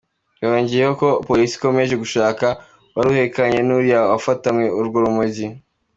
Yongeyeho ko Polisi ikomeje gushaka uwari uhekanye n’uriya wafatanywe urwo rumogi.